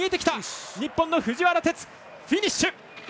日本の藤原哲フィニッシュ。